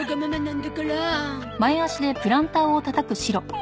ん？